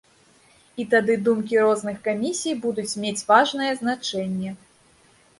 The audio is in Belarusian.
І тады думкі розных камісій будуць мець важнае значэнне.